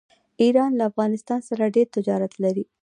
ایران له افغانستان سره ډیر تجارت لري.